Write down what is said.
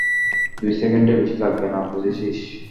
দুই সেকেন্ডের বেশি লাগবে না, বুঝেছিস?